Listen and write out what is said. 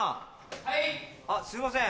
・はい・すいません。